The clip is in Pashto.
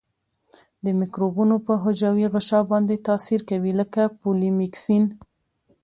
د مکروبونو په حجروي غشا باندې تاثیر کوي لکه پولیمیکسین.